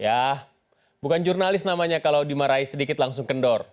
ya bukan jurnalis namanya kalau dimarahi sedikit langsung kendor